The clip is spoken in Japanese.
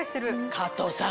加藤さん